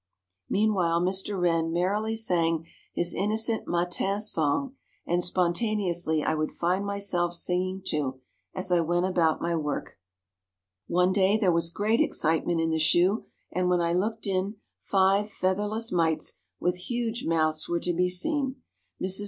Meanwhile Mr. Wren merrily sang his innocent matin song, and spontaneously I would find myself singing too, as I went about my work. One day there was great excitement in the shoe and, when I looked in, five featherless mites with huge mouths were to be seen. Mrs.